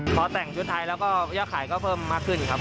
พอแต่งชุดไทยแล้วก็ยอดขายก็เพิ่มมากขึ้นครับ